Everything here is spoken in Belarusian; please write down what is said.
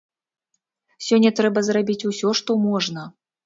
Сёння трэба зрабіць усё, што можна.